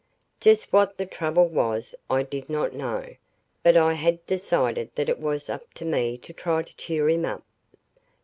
Just what the trouble was, I did not know, but I had decided that it was up to me to try to cheer him up.